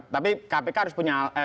tapi kpk harus punya